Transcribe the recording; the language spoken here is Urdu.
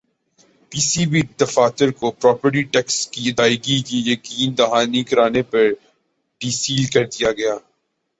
پی سی بی دفاتر کو پراپرٹی ٹیکس کی ادائیگی کی یقین دہانی کرانے پر ڈی سیل کر دیا گیا